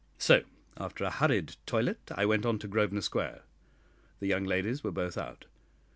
So, after a hurried toilet, I went on to Grosvenor Square. The young ladies were both out.